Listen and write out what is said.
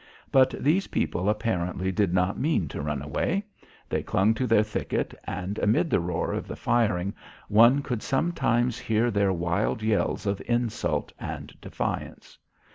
But these people apparently did not mean to run away. They clung to their thicket and, amid the roar of the firing, one could sometimes hear their wild yells of insult and defiance.